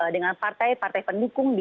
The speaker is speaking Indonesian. dengan partai partai pendukung